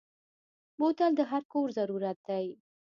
بوتل د هر کور ضرورت دی.